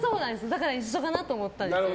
だから一緒かなと思って。